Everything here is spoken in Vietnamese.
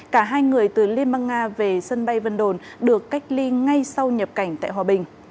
cả hai người từ liên bang nga về sân bay vân đồn được cách ly ngay sau nhập cảnh tại hòa bình